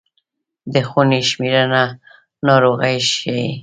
د خونې شمېرنه ناروغي ښيي.